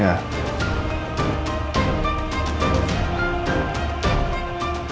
kedua kali kemudian